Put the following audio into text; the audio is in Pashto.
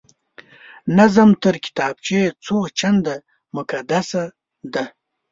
نظم تر کتابچې څو چنده مقدسه دی